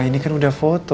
ini kan udah foto